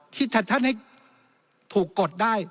ที่ถ้าท่านให้ถูกกดได้